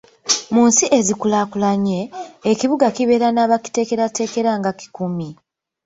Mu nsi ezikulaakulanye, ekibuga kibeera n'abakiteekerateekera nga kikumi.